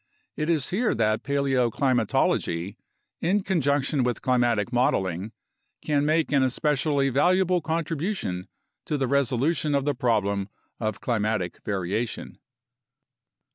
It is here that paleoclimatology, in conjunction with climatic modeling, can make an especially valuable contribution to the resolution of the problem of climatic variation.